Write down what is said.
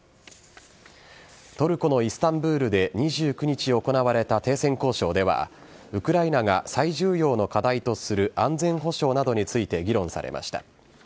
トルコのイスタンブールで２９日行われた停戦交渉では、ウクライナが最重要の課題とする安全保障などについて議論されました。